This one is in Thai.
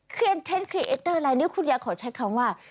คอนเทนต์ครีเอเตอร์อะไรนี่คุณยายขอใช้คำว่า